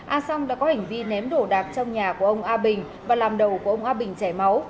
a song đã có hành vi ném đổ đạc trong nhà của ông a bình và làm đầu của ông a bình chảy máu